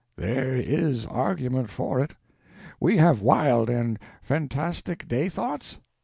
There is argument for it. We have wild and fantastic day thoughts?